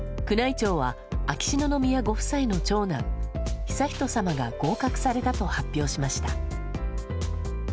宮内庁は秋篠宮ご夫妻の長男・悠仁さまが合格されたと発表しました。